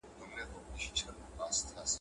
بوى د ګلانو ساقي وړى وو د ځانه سره